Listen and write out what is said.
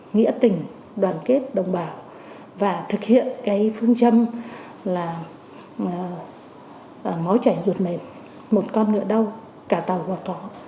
nghĩa tỉnh đoàn kết đồng bào và thực hiện cái phương châm là ngói chảy ruột mệt một con ngựa đau cả tàu gọt thỏ